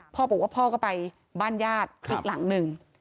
พ่อบอกว่าพ่อก็ไปบ้านญาติอีกหลังหนึ่ง